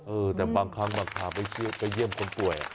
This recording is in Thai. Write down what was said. เออแต่บางครั้งบางขาไปเยี่ยมคนป่วย